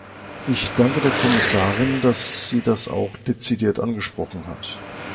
Ich danke der Kommissarin, dass sie das auch dezidiert angesprochen hat.